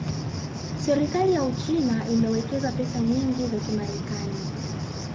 Serikali ya Uchina imewekeza pesa nyingi za Kimarekani